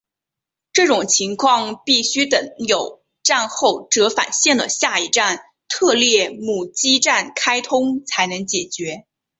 这种情况必须等有站后折返线的下一站特列姆基站开通才能解决。